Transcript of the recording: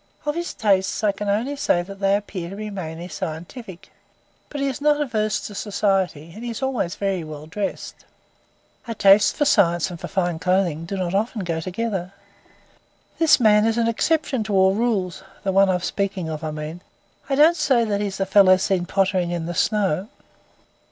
Of his tastes, I can only say that they appear to be mainly scientific. But he is not averse to society, and is always very well dressed." "A taste for science and for fine clothing do not often go together." "This man is an exception to all rules. The one I'm speaking of, I mean. I don't say that he's the fellow seen pottering in the snow."